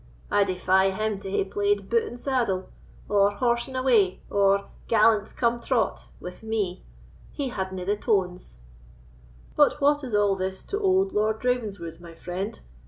I defy him to hae played 'Boot and saddle,' or 'Horse and away,' or 'Gallants, come trot,' with me; he handa the tones." "But what is all this to old Lord Ravenswood, my friend?"